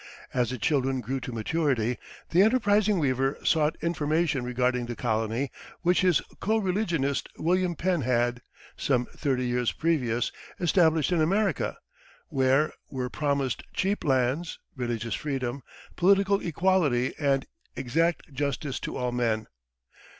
As the children grew to maturity, the enterprising weaver sought information regarding the colony which his coreligionist William Penn had, some thirty years previous, established in America, where were promised cheap lands, religious freedom, political equality, and exact justice to all men.